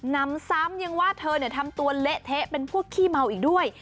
นำซ้ำยังว่าเธอทำตัวเละเทะเป็นพวกขี้เมาอีกด้วย